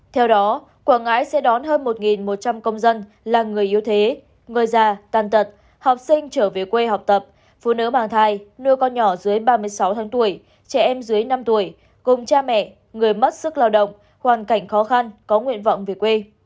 theo đó quảng ngãi sẽ đón hơn một một trăm linh công dân là người yếu thế người già tàn tật học sinh trở về quê học tập phụ nữ mang thai nuôi con nhỏ dưới ba mươi sáu tháng tuổi trẻ em dưới năm tuổi cùng cha mẹ người mất sức lao động hoàn cảnh khó khăn có nguyện vọng về quê